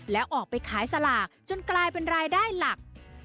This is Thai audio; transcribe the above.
แล้วออกไปขายสลากจนกลายเป็นรายได้หลัก